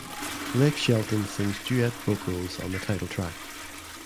Blake Shelton sings duet vocals on the title track.